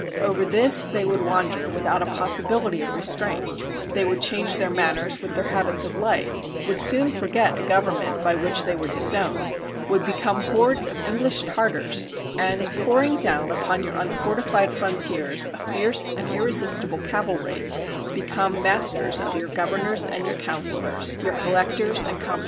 Over this they would wander without a possibility of restraint; they would change their manners with their habits of life; would soon forget a government by which they were disowned; would become hordes of English Tartars; and, pouring down upon your unfortified frontiers a fierce and irresistible cavalry, become masters of your governors and your counselers, your collectors and comptrollers, and of all the slaves that adhered to them.